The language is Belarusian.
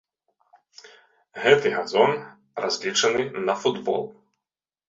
Гэты газон разлічаны на футбол.